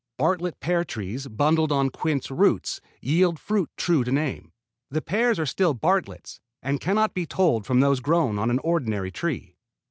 Bartlett pear trees budded on quince roots yield fruit true to name. The pears are still Bartletts, and can not be told from those grown on an ordinary tree.